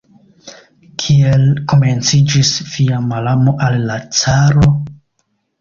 Kiel komenciĝis via malamo al la caro?